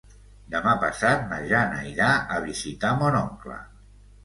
Demà passat na Jana irà a visitar mon oncle.